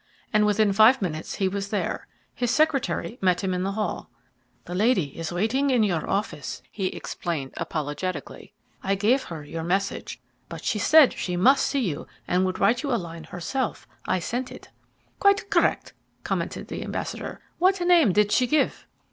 And within five minutes he was there. His secretary met him in the hall. "The lady is waiting in your office," he explained apologetically. "I gave her your message, but she said she must see you and would write you a line herself. I sent it." "Quite correct," commented the ambassador. "What name did she give?"